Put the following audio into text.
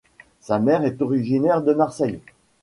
Sa mère est originaire de Marseille.